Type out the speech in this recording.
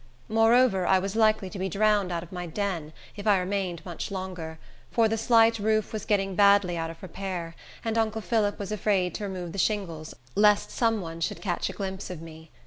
Moreover, I was likely to be drowned out of my den, if I remained much longer; for the slight roof was getting badly out of repair, and uncle Phillip was afraid to remove the shingles, lest some one should get a glimpse of me.